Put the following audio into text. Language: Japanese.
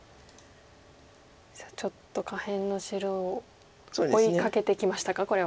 ちょっと下辺の白を追いかけてきましたかこれは。